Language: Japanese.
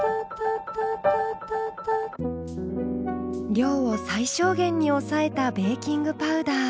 量を最小限に抑えたベーキングパウダー。